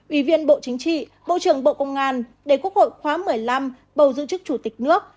ủy viên bộ chính trị bộ trưởng bộ công an để quốc hội khóa một mươi năm bầu giữ chức chủ tịch nước